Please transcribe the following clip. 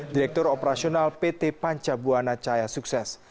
direktur operasional pt panca buana cahaya sukses